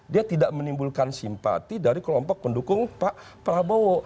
dia tidak menimbulkan simpati dari kelompok pendukung pak prabowo